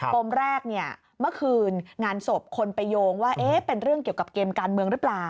ปมแรกเนี่ยเมื่อคืนงานศพคนไปโยงว่าเป็นเรื่องเกี่ยวกับเกมการเมืองหรือเปล่า